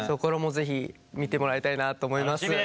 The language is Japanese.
是非見てもらいたいなと思います。